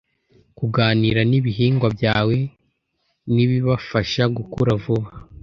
Kuganira nibihingwa byawe ntibibafasha gukura vuba.